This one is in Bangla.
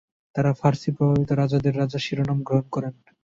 তারা ফার্সি-প্রভাবিত "রাজাদের রাজা" শিরোনাম গ্রহণ করেন।